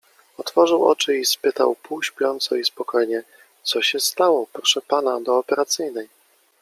otworzył oczy i spytał półśpiąco i spokojnie: — Co się stało? — Proszą pana do operacyjnej.